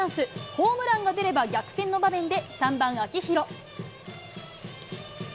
ホームランが出れば逆転の場面で３番秋広。